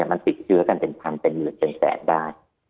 มันติดเชื้อกันเป็นพันเป็นหมื่นเป็นแสนได้